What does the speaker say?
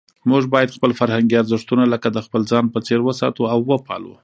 موږ باید خپل فرهنګي ارزښتونه لکه د خپل ځان په څېر وساتو او وپالو.